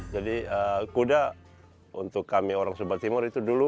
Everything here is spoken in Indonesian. jadi kuda untuk kami orang sumba timur itu dulu